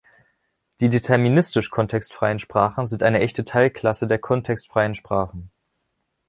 Die deterministisch kontextfreien Sprachen sind eine echte Teilklasse der kontextfreien Sprachen.